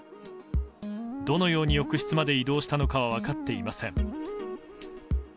どのように浴室まで移動したのかは分かっていません。